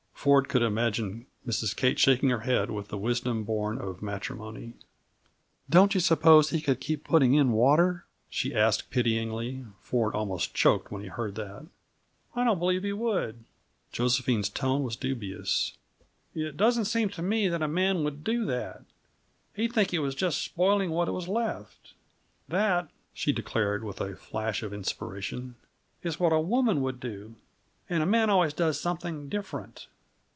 Ford could imagine Mrs. Kate shaking her head with the wisdom born of matrimony. "Don't you suppose he could keep putting in water?" she asked pityingly. Ford almost choked when he heard that! "I don't believe he would." Josephine's tone was dubious. "It doesn't seem to me that a man would do that; he'd think he was just spoiling what was left. That," she declared with a flash of inspiration, "is what a woman would do. And a man always does something different!"